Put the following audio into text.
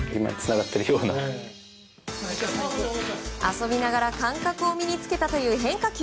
遊びながら感覚を身に付けたという変化球。